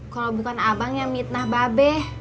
kalau bukan abang yang mitnah babe